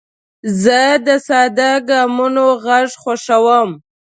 زه د ساده ګامونو غږ خوښوم.